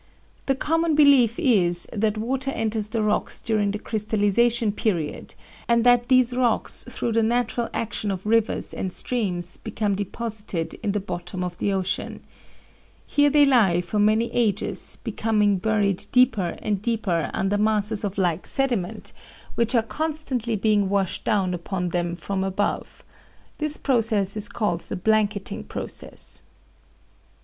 The common belief is that water enters the rocks during the crystalization period, and that these rocks through the natural action of rivers and streams become deposited in the bottom of the ocean. Here they lie for many ages, becoming buried deeper and deeper under masses of like sediment, which are constantly being washed down upon them from above. This process is called the blanketing process.